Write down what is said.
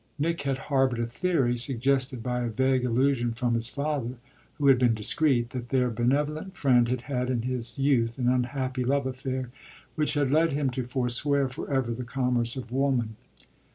Nick had harboured a theory, suggested by a vague allusion from his father, who had been discreet, that their benevolent friend had had in his youth an unhappy love affair which had led him to forswear for ever the commerce of woman.